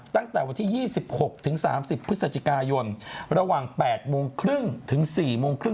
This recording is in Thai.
ตั้งแต่วันที่๒๖๓๐พฤศจิกายนระหว่าง๘โมงครึ่งถึง๔โมงครึ่ง